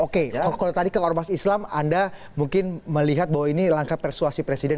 oke kalau tadi ke ormas islam anda mungkin melihat bahwa ini langkah persuasi presiden